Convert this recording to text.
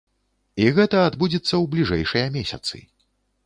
І гэта адбудзецца ў бліжэйшыя месяцы.